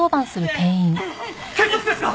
警察ですか？